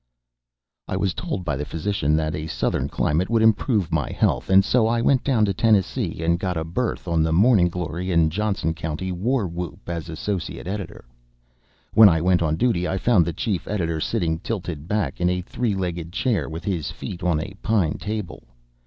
I was told by the physician that a Southern climate would improve my health, and so I went down to Tennessee, and got a berth on the Morning Glory and Johnson County War Whoop as associate editor. When I went on duty I found the chief editor sitting tilted back in a three legged chair with his feet on a pine table.